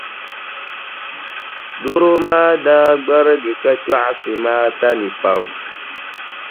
Dɔro maa daa gbarigi ka chɔɣisi Maata nii pam.